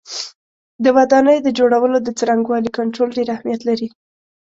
د ودانیو د جوړولو د څرنګوالي کنټرول ډېر اهمیت لري.